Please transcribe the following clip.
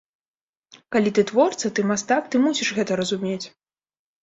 Калі ты творца, ты мастак, ты мусіш гэта разумець.